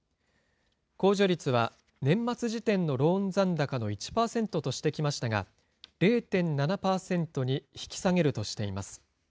控除率は年末時点のローン残高の１％としてきましたが、０．７％に引き下げるとしています。